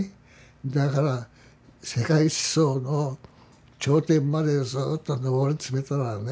だから世界思想の頂点までずっと上り詰めたらね